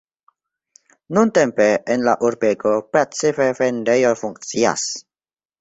Nuntempe en la urbego precipe vendejoj funkcias.